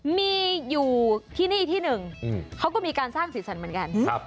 มีอยู่ที่นี่ที่หนึ่งเขาก็มีการสร้างสีสันเหมือนกัน